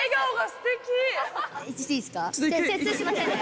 すいませんね。